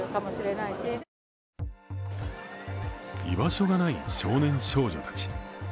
居場所がない少年少女たち。